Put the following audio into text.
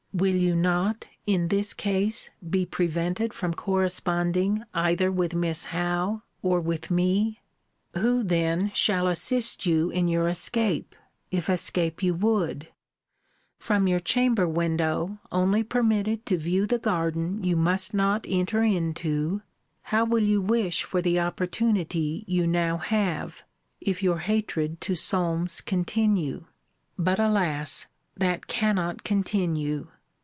Will you not, in this case, be prevented from corresponding either with Miss Howe, or with me? Who then shall assist you in your escape, if escape you would? From your chamber window only permitted to view the garden you must not enter into, how will you wish for the opportunity you now have, if your hatred to Solmes continue! But alas! that cannot continue.